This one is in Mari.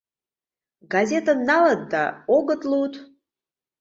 Газетым налыт да, огыт луд.